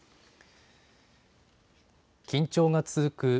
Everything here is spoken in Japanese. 緊張が続く